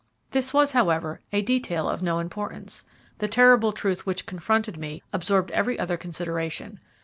This was, however, a detail of no importance. The terrible truth which confronted me absorbed every other consideration.